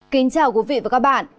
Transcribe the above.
kính chào quý vị và các bạn